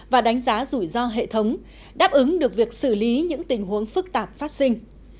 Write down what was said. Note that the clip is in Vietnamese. và đánh giá rủi ro hệ thống đáp ứng được việc xử lý những tình huống phức tạp phát sinh